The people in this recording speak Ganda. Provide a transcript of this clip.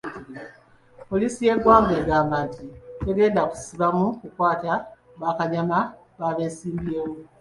Poliisi y'eggwanga egamba nti tegenda kusibamu kukwata bakanyama ba beesimbyewo .